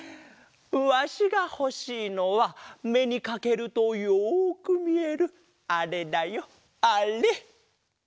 わしがほしいのはめにかけるとよくみえるあれだよあれ！